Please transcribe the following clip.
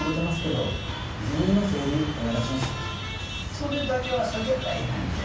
それだけは避けたいねんて。